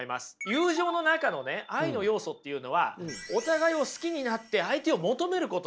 友情の中のね愛の要素っていうのはお互いを好きになって相手を求めることなんですよ。